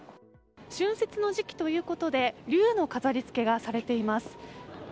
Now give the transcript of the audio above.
春節の時期ということで龍の飾りつけがされています。